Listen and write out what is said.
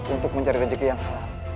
untuk mencari rezeki yang halal